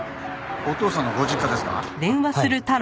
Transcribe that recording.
お父さんのご実家ですか？